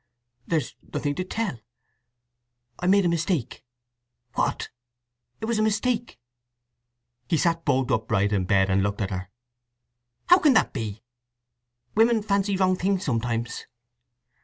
"There's nothing to tell. I made a mistake." "What?" "It was a mistake." He sat bolt upright in bed and looked at her. "How can that be?" "Women fancy wrong things sometimes."